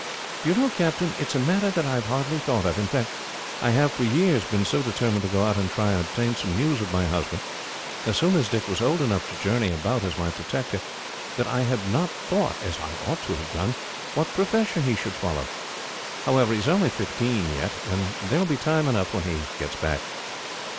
"Do you know, Captain, it is a matter that I have hardly thought of in fact, I have, for years, been so determined to go out and try and obtain some news of my husband, as soon as Dick was old enough to journey about as my protector, that I have not thought, as I ought to have done, what profession he should follow. However, he is only fifteen yet, and there will be time enough when he gets back."